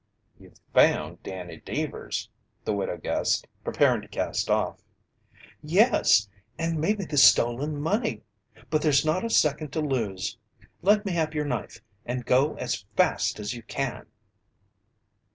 "You've found Danny Deevers!" the widow guessed, preparing to cast off. "Yes, and maybe the stolen money! But there's not a second to lose! Let me have your knife, and go as fast as you can!"